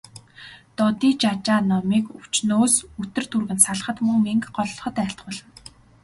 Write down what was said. Додижажаа номыг өвчнөөс үтэр түргэн салахад, мөн мэнгэ голлоход айлтгуулна.